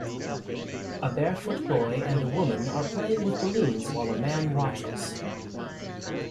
A barefoot boy and a woman are playing with balloons while a man watches.